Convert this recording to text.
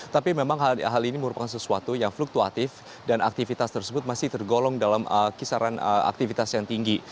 tapi memang hal ini merupakan sesuatu yang fluktuatif dan aktivitas tersebut masih tergolong dalam kisaran aktivitas yang tinggi